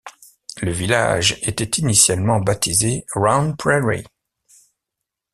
Le village était initialement baptisé Round Prairie.